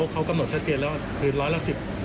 เขากำหนดชัดเจนแล้วว่าคือร้อยละ๑๐